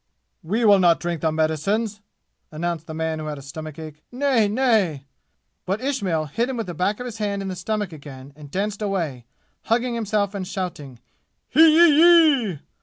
"We will not drink the medicines!" announced the man who had a stomach ache. "Nay, nay!" But Ismail hit him with the back of his hand in the stomach again and danced away, hugging himself and shouting "Hee yee yee!"